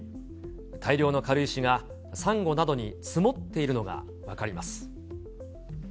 大量の軽石がサンゴなどに積もっているのが分かります。